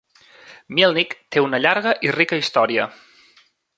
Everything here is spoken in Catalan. Mielnik té una llarga i rica història.